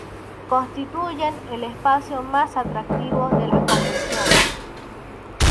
Constituyen el espacio más atractivo de las convenciones.